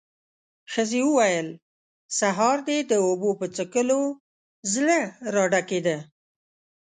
ښځې وويل: سهار دې د اوبو په څښلو زړه راډکېده.